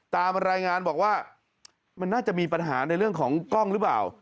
ตามรายงานบอกว่ามันน่าจะมีปัญหาในเรื่องของกล้องหรือเปล่า